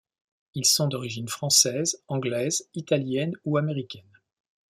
Ils sont d'origine française, anglaises, italiennes ou américaines.